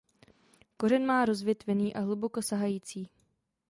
Kořen má rozvětvený a hluboko sahající.